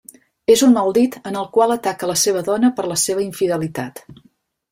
És un maldit en el qual ataca la seva dona per la seva infidelitat.